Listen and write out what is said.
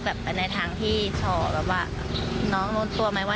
เป็นในทางที่หรอกว่า